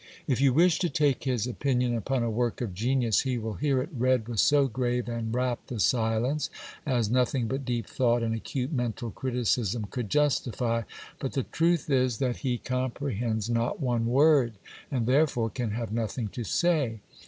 If you wish to take his opinion upon a work of genius, he will hear it read with so grave and wrapt a silence, as nothing but deep thought and acute mental criticism could justify ; but the truth is, that he comprehends not one word, and therefore can have nothing to say.